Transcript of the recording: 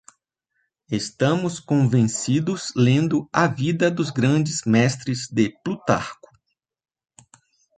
Estamos convencidos lendo a Vida dos grandes mestres de Plutarco.